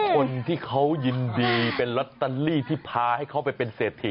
คนที่เขายินดีเป็นลอตเตอรี่ที่พาให้เขาไปเป็นเศรษฐี